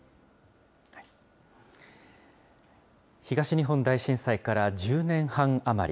東日本大震災から１０年半余り。